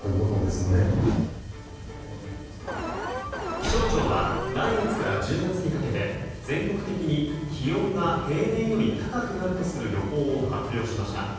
気象庁は来月から１０月にかけて全国的に気温が平年より高くなるとする予報を発表しました。